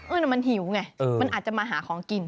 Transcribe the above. โอ๊ยน้องมันหิวไงมันอาจจะมาหาของกิน